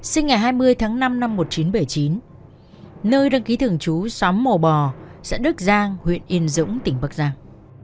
sinh ngày hai mươi tháng năm năm một nghìn chín trăm bảy mươi chín nơi đăng ký thường trú xóm mồ bò xã đức giang huyện yên dũng tỉnh bắc giang